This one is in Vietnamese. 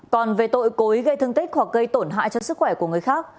còn về tội cối gây thương tích hoặc gây tổn hại cho sức khỏe của người khác